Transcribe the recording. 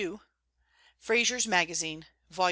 Fraser's Magazine, vol.